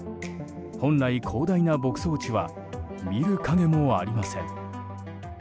本来、広大な牧草地は見る影もありません。